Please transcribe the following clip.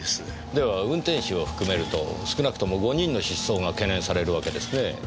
では運転手を含めると少なくとも５人の失踪が懸念されるわけですねぇ。